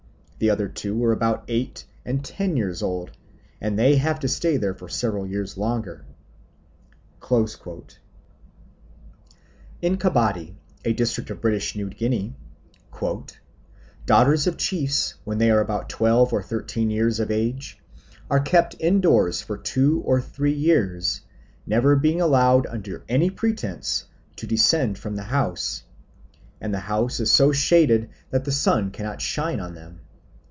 The other two were about eight and ten years old, and they have to stay there for several years longer." In Kabadi, a district of British New Guinea, "daughters of chiefs, when they are about twelve or thirteen years of age, are kept indoors for two or three years, never being allowed, under any pretence, to descend from the house, and the house is so shaded that the sun cannot shine on them."